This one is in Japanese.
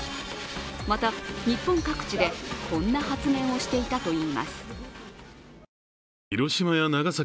また日本各地でこんな発言をしていたといいます。